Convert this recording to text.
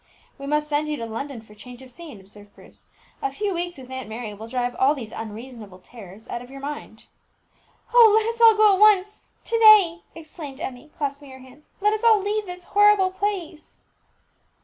"We must send you to London for change of scene," observed Bruce; "a few weeks with Aunt Mary will drive all these unreasonable terrors out of your mind." "Oh, let us all go at once to day!" exclaimed Emmie, clasping her hands. "Let us all leave this horrible place."